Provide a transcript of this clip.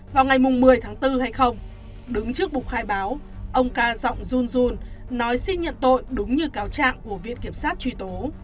vào ngày một mươi tháng bốn hay không đứng trước bục khai báo ông ca giọng jun jun nói xin nhận tội đúng như cáo trạng của viện kiểm sát truy tố